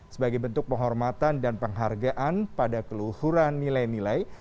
sebagai bentuk penghormatan dan penghargaan pada keluhuran nilai nilai